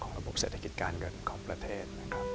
ของระบบเศรษฐกิจการเงินของประเทศ